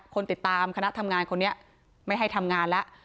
คนติดตามคณะทำงานคนนี้ไม่ให้ทำงานแล้ว